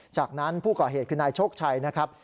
จากนั้นผู้ก่อเหตุคือนายโชคชัยนะครับ